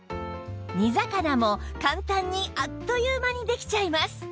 煮魚も簡単にあっという間にできちゃいます